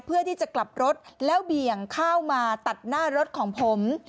เพื่อที่จะกลับรถแล้วเบี่ยงเข้ามาตัดหน้ารถของผม